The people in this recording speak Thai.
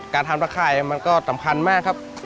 การทำตะข่ายมันก็สำคัญมากครับ